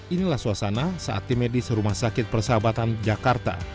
inilah suasana saat tim medis rumah sakit persahabatan jakarta